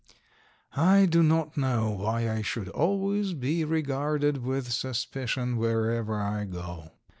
I do not know why I should always be regarded with suspicion wherever I go.